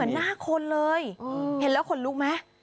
หน้าคนเลยเห็นแล้วขนลุกไหม